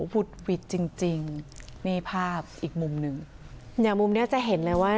วุดหวิดจริงจริงนี่ภาพอีกมุมหนึ่งเนี่ยมุมเนี้ยจะเห็นเลยว่า